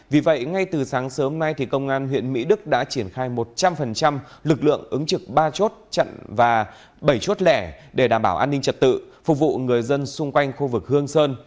vì vậy ngay từ sáng sớm nay công an huyện mỹ đức đã triển khai một trăm linh lực lượng ứng trực ba chốt chặn và bảy chốt lẻ để đảm bảo an ninh trật tự phục vụ người dân xung quanh khu vực hương sơn